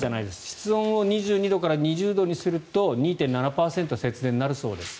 室温を２２度から２０度にすると２．７％節電になるそうです。